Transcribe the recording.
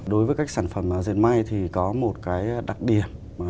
đối với các sản phẩm dệt may thì có một cái đặc điểm